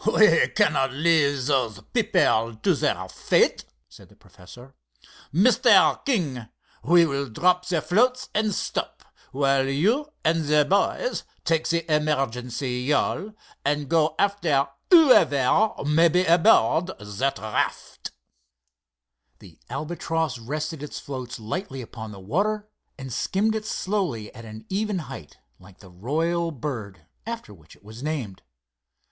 "We cannot leave those people to their fate," said the Professor. "Mr. King, we will drop the floats and stop, while you and the boys take the emergency yawl and go after whoever may be aboard of that raft." The Albatross rested its floats lightly upon the water and skimmed it slowly at an even height, like the royal bird after which it was named.